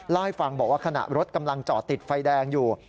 เล่าให้ฟังบอกว่าขณะรถกำลังจอดติดไฟแดงอยู่